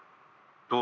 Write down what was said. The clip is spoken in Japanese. どう？